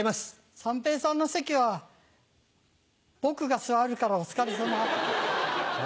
三平さんの席は僕が座るからお疲れさま。え？